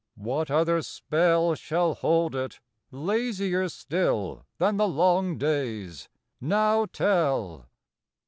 What other spell Shall hold it, lazier still Than the long day's, now tell?